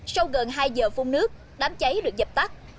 sau gần hai giờ phun nước đám cháy được dập tắt